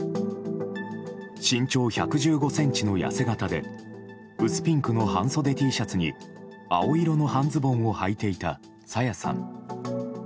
身長１１５ｃｍの痩せ形で薄ピンクの半袖Ｔシャツに青色の半ズボンをはいていた朝芽さん。